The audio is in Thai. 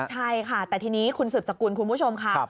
ใช่ค่ะแต่ทีนี้คุณสืบสกุลคุณผู้ชมค่ะ